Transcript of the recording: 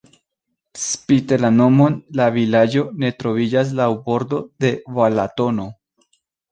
Spite la nomon la vilaĝo ne troviĝas laŭ bordo de Balatono.